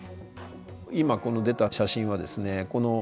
今この出た写真はですね